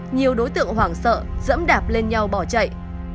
nhiều đối tượng hoảng sợ dẫm đạp lên nhau bỏ chạy